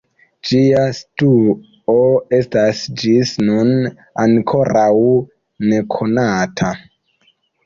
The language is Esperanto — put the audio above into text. Ĝia situo estas ĝis nun ankoraŭ nekonata.